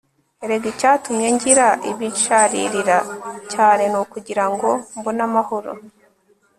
erega icyatumye ngira ibinsharirira cyane ni ukugira ngo mbone amahoro